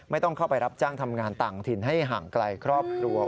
ไม่ต้องเข้าไปรับจ้างทำงานต่างถิ่นให้ห่างไกลครอบครัว